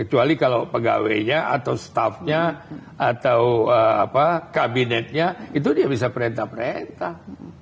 kecuali kalau pegawainya atau staffnya atau kabinetnya itu dia bisa perintah perintah